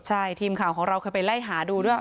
ใช่ทีมข่าวของเราเคยไปไล่หาดูด้วย